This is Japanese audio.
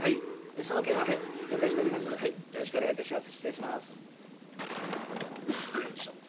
その件ははい了解しております